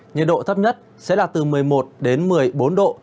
nhiệt độ thấp nhất sẽ là từ một mươi một đến một mươi bốn độ